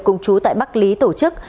cùng chú tại bắc lý tổ chức